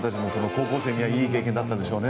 高校生にはいい経験でした。